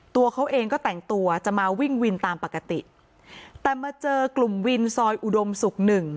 ตัวเขาเองก็แต่งตัวจะมาวิ่งวินตามปกติแต่มาเจอกลุ่มวินซอยอุดมศุกร์หนึ่ง